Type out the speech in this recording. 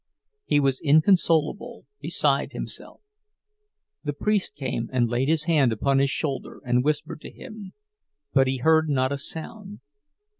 He was inconsolable, beside himself—the priest came and laid his hand upon his shoulder and whispered to him, but he heard not a sound.